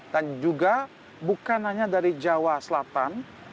dan juga bukan hanya dari jawa selatan